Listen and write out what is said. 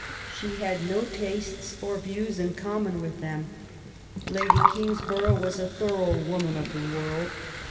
She had no tastes or views in common with them. Lady Kingsborough was a thorough woman of the world.